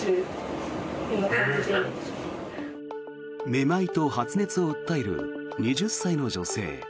めまいと発熱を訴える２０歳の女性。